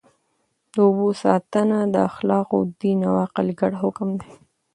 د اوبو ساتنه د اخلاقو، دین او عقل ګډ حکم دی.